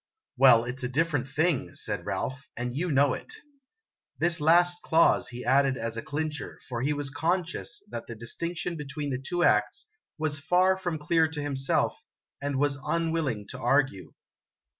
"Well, it 's a different thing," said Ralph, "and you know it." This last clause he added as a clincher, for he was conscious that the distinction between the two acts was far from clear to himself, and was unwilling to argue.